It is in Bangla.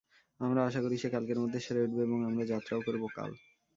আমরা আশা করি, সে কালকের মধ্যে সেরে উঠবে এবং আমরা যাত্রাও করব কাল।